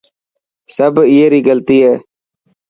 سب ائي ري غلطي هي.